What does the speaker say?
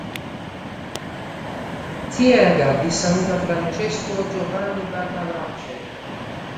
Tie agadis ankaŭ Francesco Giovanni Barbalace.